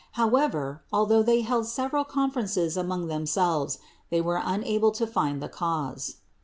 How ever, although they held several conferences among them selves, they were unable to find the cause.